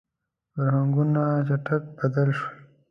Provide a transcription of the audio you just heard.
• فرهنګونه چټک بدل شول.